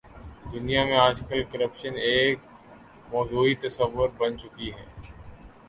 دنیا میں آج کل کرپشن ایک موضوعی تصور بن چکی ہے۔